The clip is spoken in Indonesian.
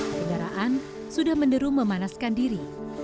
kendaraan sudah menderu memanaskan diri